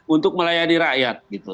untuk melayani rakyat gitu